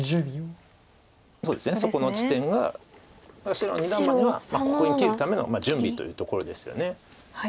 白の二段バネはここに切るための準備というところですよね。